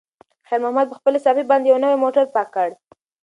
خیر محمد په خپلې صافې باندې یو نوی موټر پاک کړ.